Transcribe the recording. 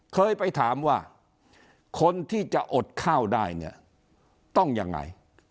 เคยไปถามว่าคนที่จะอดข้าวได้เนี่ยต้องยังไง